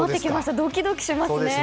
ドキドキしますね！